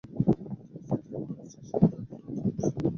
তিনি চিত্রিত করেছেন শাজাদ লতিফ।